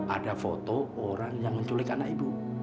ada foto orang yang menculik anak ibu